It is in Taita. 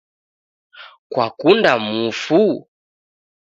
Kwakunda mufu?